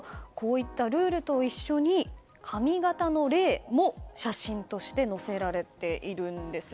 こういったルールと一緒に髪形の例も写真として載せられているんです。